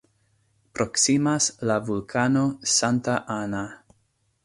Proksimas la vulkano "Santa Ana".